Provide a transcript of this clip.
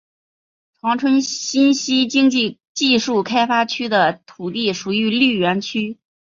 长春西新经济技术开发区的土地属于绿园区。